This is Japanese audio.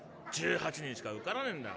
１８人しか受からねえんだ。